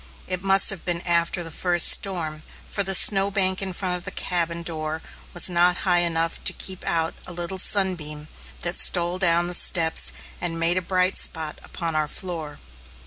It must have been after the first storm, for the snow bank in front of the cabin door was not high enough to keep out a little sunbeam that stole down the steps and made a bright spot upon our floor.